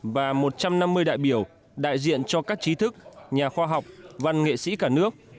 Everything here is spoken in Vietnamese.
và một trăm năm mươi đại biểu đại diện cho các trí thức nhà khoa học văn nghệ sĩ cả nước